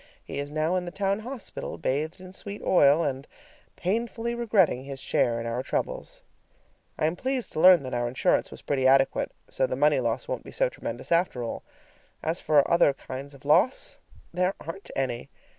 He is now in the town hospital, bathed in sweet oil, and painfully regretting his share in our troubles. I am pleased to learn that our insurance was pretty adequate, so the money loss won't be so tremendous, after all. As for other kinds of loss, there aren't any!